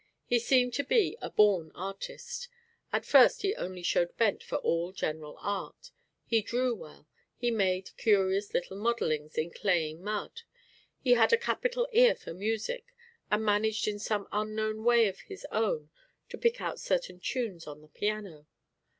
He seemed to be a born artist. At first he only showed bent for all general art. He drew well, he made curious little modellings in clayey mud; he had a capital ear for music and managed in some unknown way of his own to pick out certain tunes on the piano.